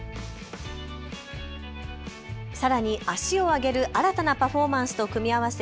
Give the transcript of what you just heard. さらに足を上げる新たなパフォーマンスと組み合わせ